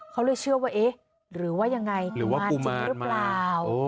เขาเลยเชื่อว่าเอ๊ะหรือว่ายังไงหรือว่ากุมาหรือเปล่า